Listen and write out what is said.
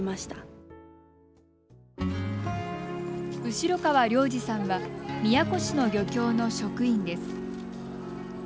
後川良二さんは宮古市の漁協の職員です。